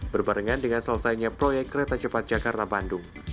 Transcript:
berbarengan dengan selesainya proyek kereta cepat jakarta bandung